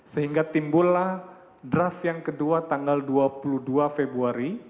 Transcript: sehingga timbullah draft yang kedua tanggal dua puluh dua februari